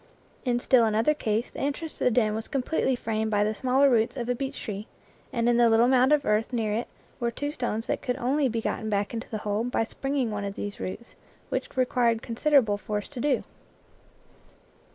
In still another case the entrance to the den was completely framed by the smaller roots of a beech tree, and in the little mound of earth near it were two stones that could only be gotten back into the hole by springing one of these roots, which required considerable force to do.